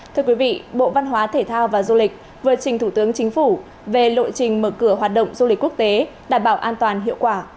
thưa quý vị bộ văn hóa thể thao và du lịch vừa trình thủ tướng chính phủ về lộ trình mở cửa hoạt động du lịch quốc tế đảm bảo an toàn hiệu quả